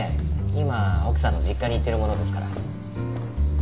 今奥さんの実家に行ってるものですから。